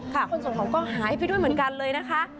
คนส่งของก็หายไปด้วยเหมือนกันเลยนะคะ